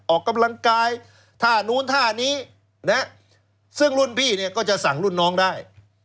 ออกกำลังกายท่านู้นท่านี้ซึ่งรุ่นพี่เนี่ยก็จะสั่งรุ่นน้องได้